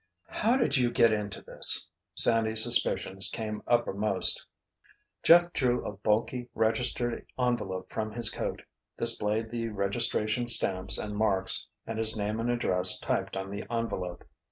"How did you get into this?" Sandy's suspicions came uppermost. Jeff drew a bulky, registered envelope from his coat, displayed the registration stamps and marks, and his name and address typed on the envelope.